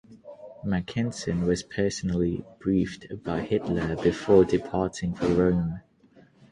Mackensen was personally briefed by Hitler before departing for Rome.